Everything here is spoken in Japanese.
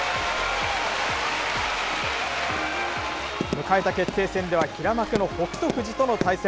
向かえた決定戦では、平幕の北勝富士との対戦。